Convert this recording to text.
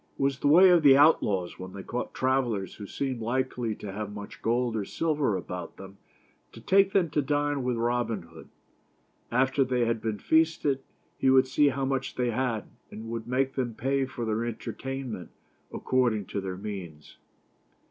It was the way of the outlaws when they caught travelers who seemed likely to have much gold or silver about them to take them to dine with Robin Hood. After they had been feasted he would see how much they had, and would make them pay for their entertainment according to their means.